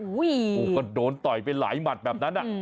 โอ้โหก็โดนต่อยไปหลายหมัดแบบนั้น